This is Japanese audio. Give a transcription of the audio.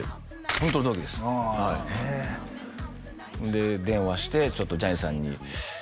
ホントの同期ですはいで電話して「ちょっとジャニーさんに」